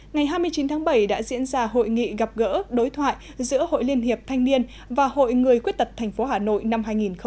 ngày hai mươi chín tháng bảy đã diễn ra hội nghị gặp gỡ đối thoại giữa hội liên hiệp thanh niên và hội người khuyết tật tp hà nội năm hai nghìn một mươi chín